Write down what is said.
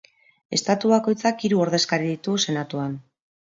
Estatu bakoitzak hiru ordezkari ditu senatuan.